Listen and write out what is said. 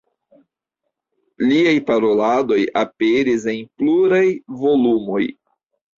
Liaj paroladoj aperis en pluraj volumoj.